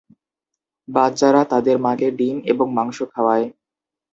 বাচ্চারা তাদের মাকে ডিম এবং মাংস খাওয়ায়।.